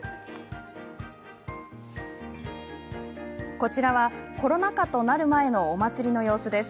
こちらは、コロナ禍となる前のお祭りの様子です。